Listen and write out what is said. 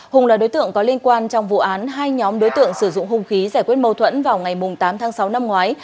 hùng là đối tượng có liên quan trong vụ án hai nhóm đối tượng sử dụng hung khí giải quyết mâu thuẫn vào ngày tám tháng sáu năm ngoái